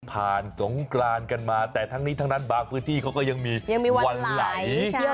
สงกรานกันมาแต่ทั้งนี้ทั้งนั้นบางพื้นที่เขาก็ยังมีวันไหล